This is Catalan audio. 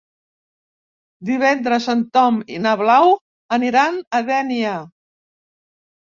Divendres en Tom i na Blau aniran a Dénia.